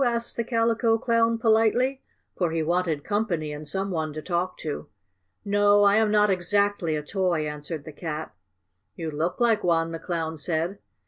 asked the Calico Clown politely, for he wanted company and some one to talk to. "No, I am not exactly a toy," answered the Cat. "You look like one," the Clown said.